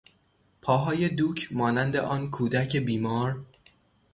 پاهای دوک مانند آن کودک بیمار